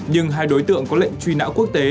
nhưng hai đối tượng có lệnh truy nã quốc tế